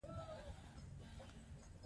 او بیلګه یې له ورایه ښکاري.